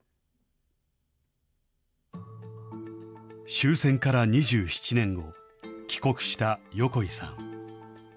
終戦から２７年後、帰国した横井さん。